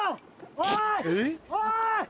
おい！